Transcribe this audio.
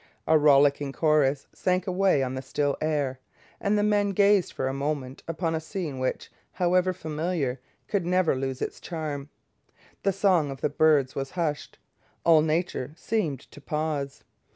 A rollicking chorus sank away on the still air, and the men gazed for a moment upon a scene which, however familiar, could never lose its charm. The song of the birds was hushed. All nature seemed to pause.